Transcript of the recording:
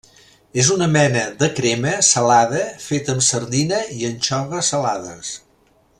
És una mena de crema salada feta amb sardina i anxova salades.